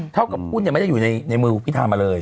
เท่ากับหุ้นไม่ได้อยู่ในมือพิธามาเลย